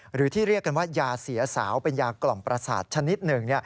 หรือที่เรียกกันว่ายาเสียสาวเป็นยากล่อมประสาทชนิดหนึ่ง